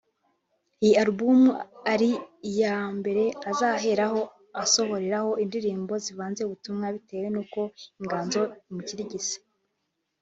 Iyi album ikaba ari iya mbere azaheraho asohoreraho indirimbo zivanze ubutumwa bitewe n’uko inganzo imukirigise